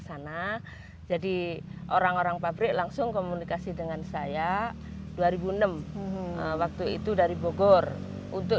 sana jadi orang orang pabrik langsung komunikasi dengan saya dua ribu enam waktu itu dari bogor untuk